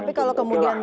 tapi kalau kemudian